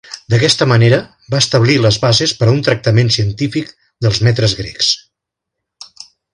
D'aquesta manera va establir les bases per a un tractament científic dels metres grecs.